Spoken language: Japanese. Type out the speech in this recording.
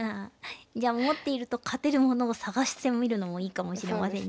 じゃあ持っていると勝てるものを探してみるのもいいかもしれませんね。